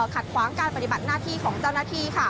ขัดขวางการปฏิบัติหน้าที่ของเจ้าหน้าที่